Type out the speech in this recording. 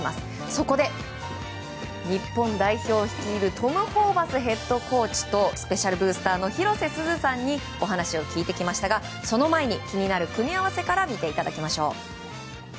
そこで、日本代表率いるトム・ホーバスヘッドコーチとスペシャルブースターの広瀬すずさんにお話を聞いてきましたがその前に気になる組み合わせから見ていただきましょう。